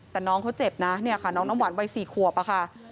แต่น้องเขาเจ็บนะเนี่ยค่ะน้องน้ำหวานวัย๔ขวบอะค่ะ